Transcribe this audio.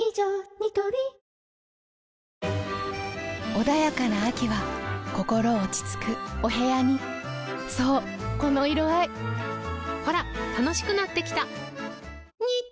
ニトリ穏やかな秋は心落ち着くお部屋にそうこの色合いほら楽しくなってきた！